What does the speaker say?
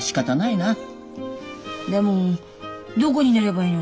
でもどこに寝ればいいの？